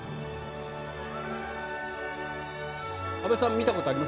安部さん、見たことあります？